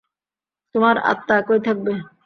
তোমার আত্মা একই থাকবে।